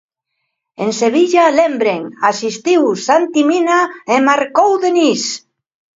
En Sevilla, lembren, asistiu Santi Mina e marcou Denis.